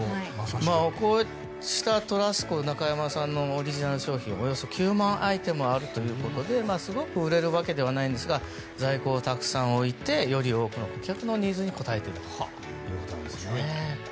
こうしたトラスコ中山のオリジナル商品はおよそ９万アイテムあるということですごく売れるわけではないんですが在庫をたくさん置いてより多くの顧客のニーズに応えているということなんですね。